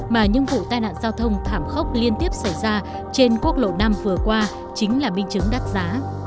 mà những vụ tai nạn giao thông thảm khốc liên tiếp xảy ra trên quốc lộ năm vừa qua chính là minh chứng đắt giá